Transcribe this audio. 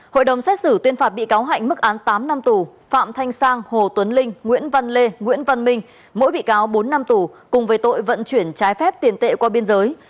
hội đồng xét xử tuyên phạt bị cáo hạnh mức án tám năm tù phạm thanh sang hồ tuấn linh nguyễn văn lê nguyễn văn minh mỗi bị cáo bốn năm tù cùng về tội vận chuyển trái phép tiền tệ qua biên giới